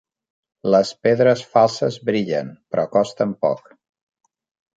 Les pedres falses brillen, però costen poc.